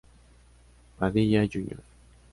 Padilla Jr.